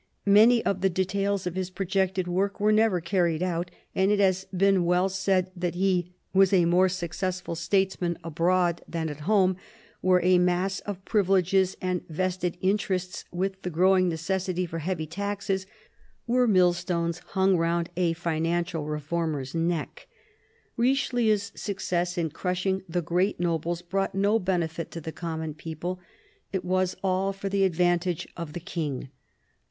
Many of the details of his projected work were never carried out, and it has been well said that he was a more successful statesman abroad than at home, where a mass of privileges and vested interests, with the growing necessity for heavy taxes, were millstones hung round a financial reformer's neck. Richelieu's success in crushing the great nobles brought no benefit to the common people ; it was all for the advantage of the King.